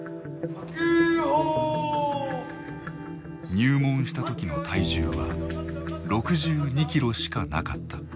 入門した時の体重は６２キロしかなかった。